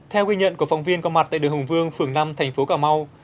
theo quy nhận của phòng viên có mặt tại đường hùng vương phường năm thành phố cà mau